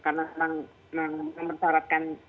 karena memang memperharapkan